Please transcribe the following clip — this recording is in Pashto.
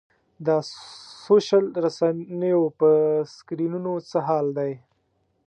دا سوشل رسنیو په سکرینونو څه حال دی.